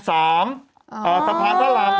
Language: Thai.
สะพานพระราม